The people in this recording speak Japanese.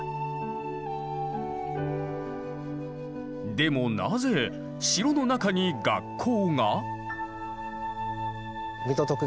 でもなぜ城の中に学校が？